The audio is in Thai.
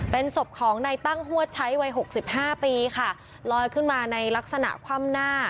เป็นศพของในตั้งหัวใช้วัยหกสิบห้าปีค่ะลอยขึ้นมาในลักษณะคว่ำหน้า